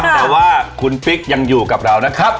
แต่ว่าคุณปิ๊กยังอยู่กับเรานะครับ